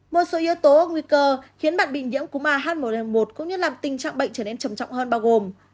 một số yếu tố nguy cơ khiến bạn bị nhiễm cúm ah một n một cũng như làm tình trạng bệnh trở nên trầm trọng hơn bao gồm